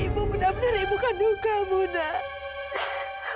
ibu benar benar ibu kandung kamu nak